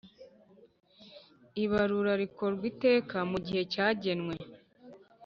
Ibarura rikorwa iteka mu gihe cyagenwe.